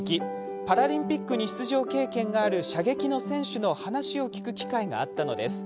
パラリンピックに出場経験がある射撃の選手の話を聞く機会があったのです。